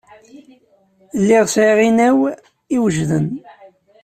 Lliɣ sɛiɣ inaw iwejden.